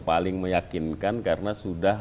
paling meyakinkan karena sudah